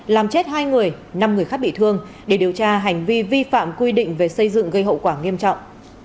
làm chết hai người năm người khác bị thương để điều tra hành vi vi phạm quy định về xây dựng gây hậu quả nghiêm trọng